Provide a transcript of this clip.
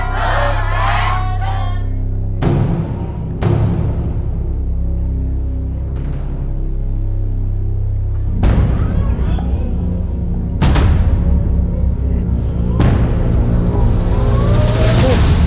ว้าว